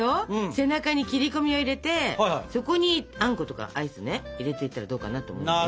背中に切り込みを入れてそこにあんことかアイスね入れていったらどうかなと思うのよ。